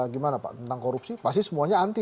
gimana pak tentang korupsi pasti semuanya anti